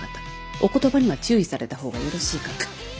お言葉には注意された方がよろしいかと。